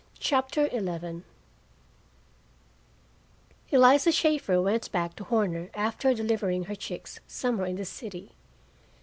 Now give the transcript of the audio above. CHAPTER XI Eliza Shaeffer went back to Horner, after delivering her chicks somewhere in the city.